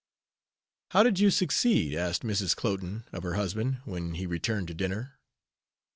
"How did you succeed?" asked Mrs. Cloten of her husband, when he returned to dinner.